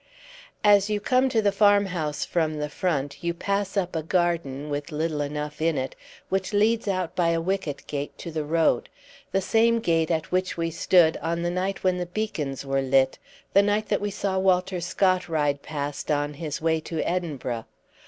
As you come to the farmhouse from the front, you pass up a garden, with little enough in it, which leads out by a wicket gate to the road; the same gate at which we stood on the night when the beacons were lit, the night that we saw Walter Scott ride past on his way to Edinburgh.